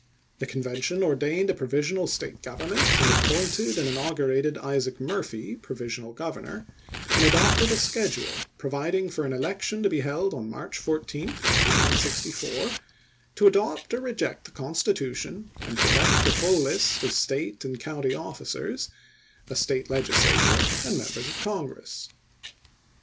The Convention ordained a provisional State govern ment and appointed and inaugurated Isaac Murphy provisional governor, and adopted a schedule pro viding for an election to be held on March 14, 1864, to adopt or reject the constitution and to elect a full list of State and county officers, a State legis latm^e, and Members of Congress.